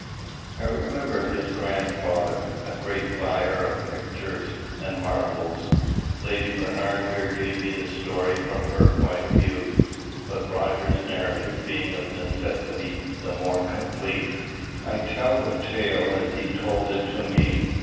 I remember his grandfather, a great buyer of pictures and marbles." Lady Bernard here gave me the story from her point of view; but Roger's narrative being of necessity the more complete, I tell the tale as he told it me.